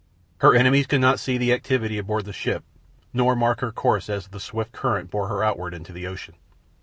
Her enemies could not see the activity aboard the ship nor mark her course as the swift current bore her outward into the ocean.